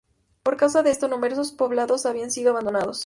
Por causa de esto, numerosos poblados habían sido abandonados.